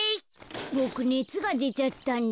ボクねつがでちゃったんだ。